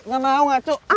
gak mau gak mau